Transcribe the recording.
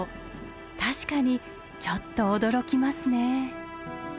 確かにちょっと驚きますね。